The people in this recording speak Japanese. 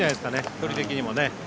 距離的にもね。